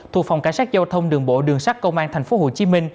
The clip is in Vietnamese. thuộc phòng cảnh sát giao thông đường bộ đường sát công an tp hcm